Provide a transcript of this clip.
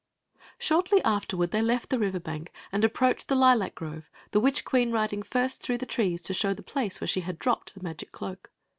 Slim% afterward Acy \dk the river bank and ap proached the lilac grove, the witch queen riding first through the trees to show the place where she had dropped the magic cloak.